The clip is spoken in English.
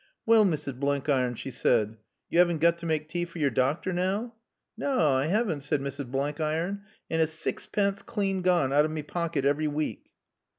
"Wall, Mrs. Blenkiron," she said, "yo' 'aven't got to mak' tae for yore doctor now?" "Naw. I 'aven't," said Mrs. Blenkiron. "And it's sexpence clane gone out o' me packet av'ry week."